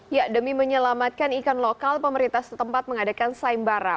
ya demi menyelamatkan ikan lokal pemerintah setempat mengadakan sayembara